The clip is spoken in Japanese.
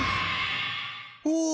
お！